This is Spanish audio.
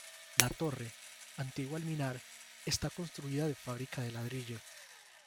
La torre, antiguo alminar, está construida de fábrica de ladrillo.